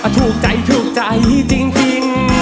ถูกใจถูกใจจริงจริง